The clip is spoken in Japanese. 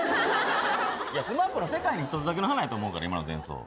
ＳＭＡＰの世界に一つだけの花やと思うから、今の演奏。